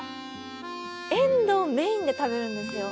エンドウメインで食べるんですよ。